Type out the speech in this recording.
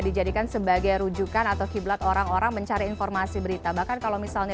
dijadikan sebagai rujukan atau kiblat orang orang mencari informasi berita bahkan kalau misalnya